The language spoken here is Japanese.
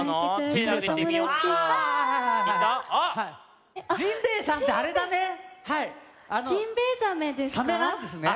ジンベエザメですか？